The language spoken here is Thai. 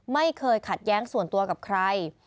ไม่เคยขัดแย้งส่วนตัวกับใคร